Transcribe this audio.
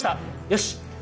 よし！